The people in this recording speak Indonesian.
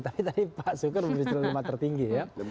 tapi tadi pak sukar beristirahat lembaga tertinggi